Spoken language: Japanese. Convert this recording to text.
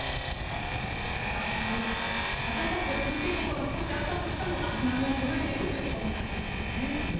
増田さん、本当に私たちが苦しいことが少しあったとしても足並みをそろえていくことが大切ですね。